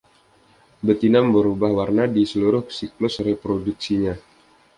Betina berubah warna di seluruh siklus reproduksinya.